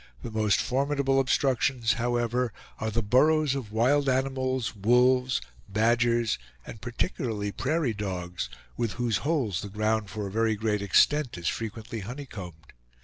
The most formidable obstructions, however, are the burrows of wild animals, wolves, badgers, and particularly prairie dogs, with whose holes the ground for a very great extent is frequently honeycombed.